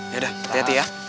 yaudah hati hati ya